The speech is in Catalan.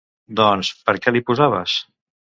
Doncs, per què l'hi posaves?